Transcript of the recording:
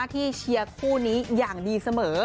เชียร์คู่นี้อย่างดีเสมอ